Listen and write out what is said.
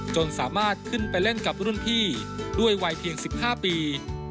จนสามารถขึ้นไปเล่นกับรุ่นพี่ด้วยวัยเพียง๑๕ปี